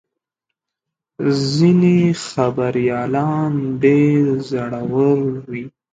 ځینې خبریالان ډېر زړور وي.